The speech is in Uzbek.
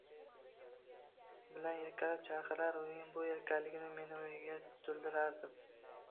bilan erkalab chaqirar, uning bu erkaliklari meni o`yga toldirardi